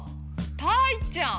たいちゃん！